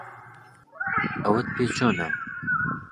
ئەوەت پێ چۆنە؟